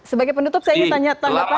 sebagai penutup saya ingin tanya tanggapan